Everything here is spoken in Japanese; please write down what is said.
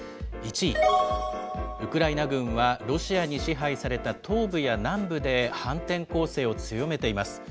１位、ウクライナ軍は、ロシアに支配された東部や南部で反転攻勢を強めています。